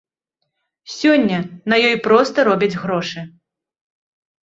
Сёння на ёй проста робяць грошы.